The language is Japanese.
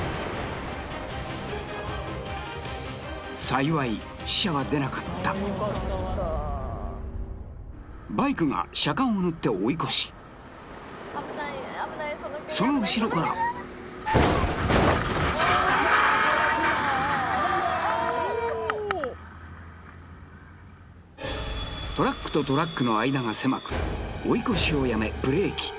幸い死者は出なかったバイクが車間を縫って追い越しその後ろからトラックとトラックの間が狭く追い越しをやめブレーキ